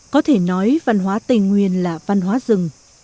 có thể nói văn hóa tây nguyên là văn hóa rừng